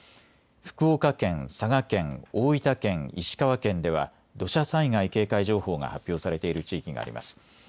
福岡県、佐賀県、大分県、石川県では土砂災害警戒情報が発表されている地域があります。